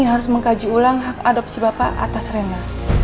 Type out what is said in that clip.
harus mengkaji ulang hak adopsi bapak atas rena